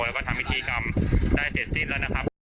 แล้วก็ทำพิธีกรรมได้เสร็จสิ้นแล้วนะครับ